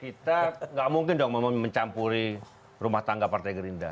kita nggak mungkin dong mencampuri rumah tangga partai gerinda